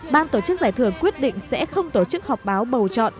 ban tổ chức giải thưởng quyết định sẽ không tổ chức họp báo bầu chọn